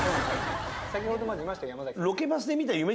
先ほどまでいました山崎さん。